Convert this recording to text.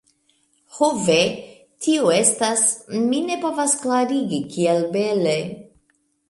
Ho ve... tio estas... mi ne povas klarigi kiel bele